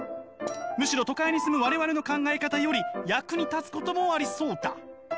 むしろ都会に住む我々の考え方より役に立つこともありそうだ」。